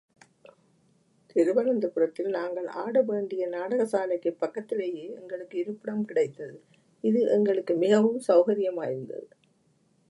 திருவனந்தபுரத்தில் நாங்கள் ஆட வேண்டிய நாடக சாலைக்குப் பக்கத்திலேயே எங்களுக்கு இருப்பிடம் கிடைத்தது இது எங்களுக்கு மிகவும் சௌகர்யமாயிருந்தது.